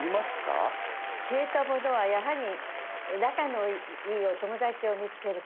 消えたものはやはり仲のいいお友達を見つける事。